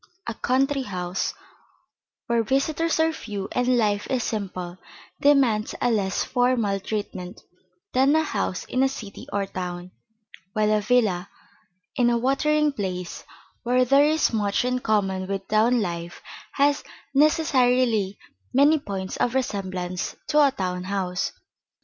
A country house, where visitors are few and life is simple, demands a less formal treatment than a house in a city or town; while a villa in a watering place where there is much in common with town life has necessarily many points of resemblance to a town house.